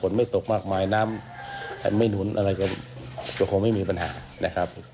น้ำไม่ตกมากมายน้ำไม่หนุนอะไรก็คงไม่มีปัญหา